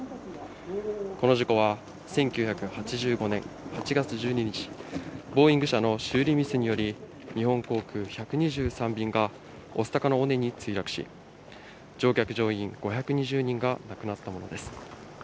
この事故は、１９８５年８月１２日、ボーイング社の修理ミスにより、日本航空１２３便が御巣鷹の尾根に墜落し、乗客・乗員５２０人が亡くなったものです。